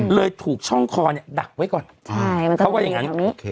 เลยถูกช่องคอเนี่ยดักไว้ก่อนเขาว่าอย่างนั้น